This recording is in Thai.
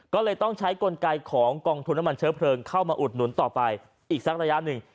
ก็เลยต้องใช้กลไกของกองทุนน้ำมันเชื้อเพลิงเข้ามาอุดหนุนต่อไปอีกสักระยะหนึ่ง